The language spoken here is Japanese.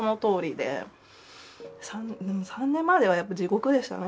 でも３年まではやっぱり地獄でしたね